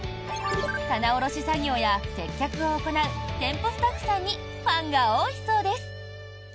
棚卸し作業や接客を行う店舗スタッフさんにファンが多いそうです。